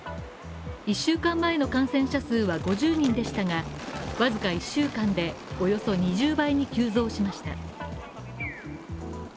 １週間前の感染者数は５０人でしたが、わずか１週間でおよそ２０倍に急増しました。